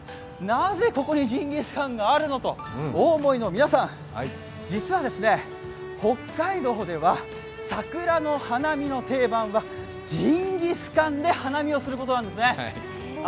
なぜここにジンギスカンがあるのとお思いの皆さん、実は、北海道では桜の花見の定番はジンギスカンで花見をすることなんですね。